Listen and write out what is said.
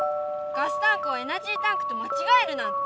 ガスタンクをエナジータンクとまちがえるなんて！